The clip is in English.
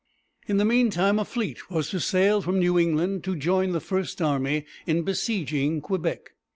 In the meantime, a fleet was to sail from New England to join the first army in besieging Quebec.